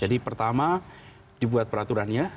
jadi pertama dibuat peraturannya